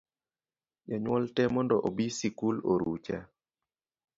Jonyuol tee mondo obi sikul orucha